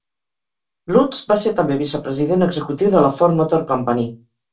Lutz va ser també vicepresident executiu de la Ford Motor Company.